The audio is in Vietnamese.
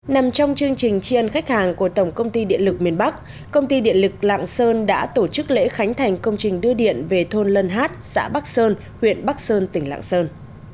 nằm trong chương trình tri ân khách hàng của tổng công ty điện lực miền bắc công ty điện lực lạng sơn đã tổ chức lễ khánh thành công trình đưa điện về thôn lân hát xã bắc sơn huyện bắc sơn tỉnh lạng sơn